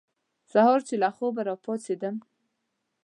سهار چې له خوبه را پاڅېدم.